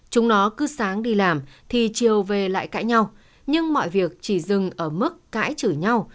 chúng nó cứ sáng đi làm thì chiều về lại cãi nhau nhưng mọi việc chỉ dừng ở mức cãi chửi nhau